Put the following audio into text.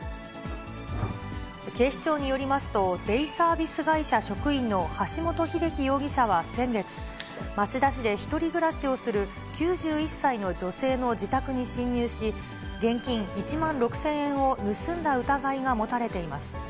警視庁によりますと、デイサービス会社職員の橋本英樹容疑者は先月、町田市で１人暮らしをする９１歳の女性の自宅に侵入し、現金１万６０００円を盗んだ疑いが持たれています。